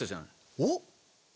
おっ。